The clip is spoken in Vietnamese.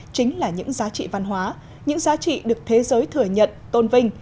chính là những giá trị văn hóa những giá trị được thế giới thừa nhận tôn vinh